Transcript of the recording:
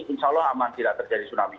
insya allah aman tidak terjadi tsunami